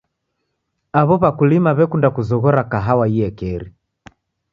Aw'o w'akulima w'ekunda kuzoghora kahawa iekeri.